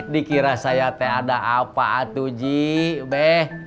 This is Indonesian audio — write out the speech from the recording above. dikira saya ada apa apa ji be